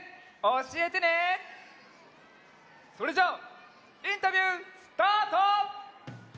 それじゃあインタビュースタート！